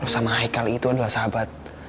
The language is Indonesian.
lo sama haikal itu adalah sahabat